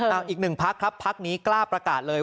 เอาอีกหนึ่งพักครับพักนี้กล้าประกาศเลย